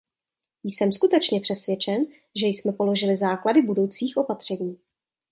Jsem skutečně přesvědčen, že jsme položili základy budoucích opatření.